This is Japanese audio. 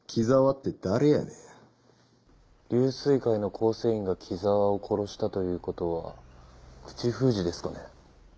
龍翠会の構成員が木沢を殺したという事は口封じですかね？